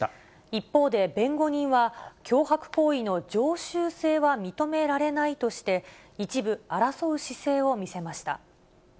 一方で弁護人は、脅迫行為の常習性は認められないとして、一部争う姿勢を見せました。